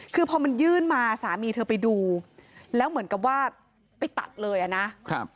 คือพอมันยื่นมาสามีเธอไปดูแล้วเหมือนกับว่าไปตัดเลยอ่ะนะครับ